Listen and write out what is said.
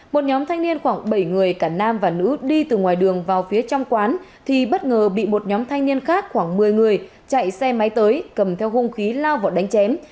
một nhóm thanh niên khoảng bảy người cả nam và nữ đi từ ngoài đường vào phía trong quán thì bất ngờ bị một nhóm thanh niên khác khoảng một mươi người chạy xe máy tới cầm theo hung khí lao vào đánh chém